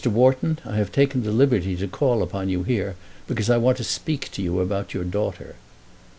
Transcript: Wharton, I have taken the liberty to call upon you here, because I want to speak to you about your daughter."